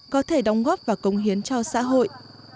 có thể đóng góp và cống hiến cho xã hội